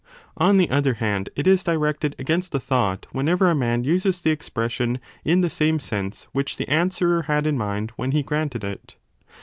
On the other hand, it is directed against the thought whenever a man uses the expression in the same sense which the answerer had in mind when he granted it.